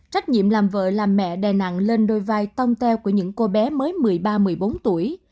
trách nhiệm làm vợ làm mẹ đè nặng lên đôi vai tông tèo của những cô bé mới một mươi ba một mươi bốn tuổi